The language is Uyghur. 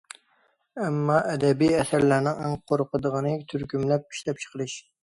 ئەمما ئەدەبىي ئەسەرلەرنىڭ ئەڭ قورقىدىغىنى تۈركۈملەپ ئىشلەپچىقىرىش.